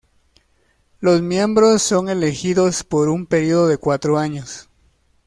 Los miembros son elegidos por un periodo de cuatro años.